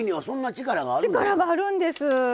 力があるんです。